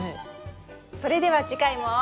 それでは次回も。